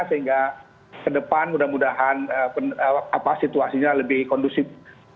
sehingga ke depan mudah mudahan situasinya lebih kondusif